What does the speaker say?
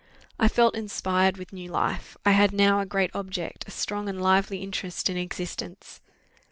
I felt inspired with new life I had now a great object, a strong and lively interest in existence.